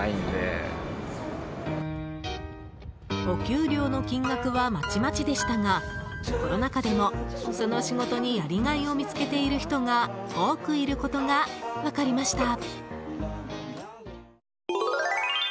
お給料の金額はまちまちでしたがコロナ禍でも、その仕事にやりがいを見つけている人が多くいることが分かりました。